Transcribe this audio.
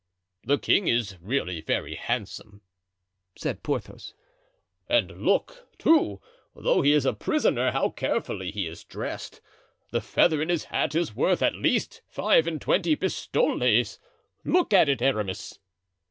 "The king is really very handsome," said Porthos; "and look, too, though he is a prisoner, how carefully he is dressed. The feather in his hat is worth at least five and twenty pistoles. Look at it, Aramis."